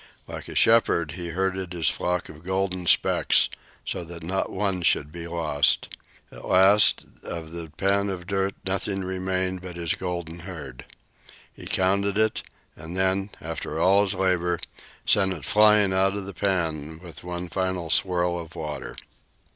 Like a shepherd he herded his flock of golden specks so that not one should be lost. At last, of the pan of dirt nothing remained but his golden herd. He counted it, and then, after all his labor, sent it flying out of the pan with one final swirl of water.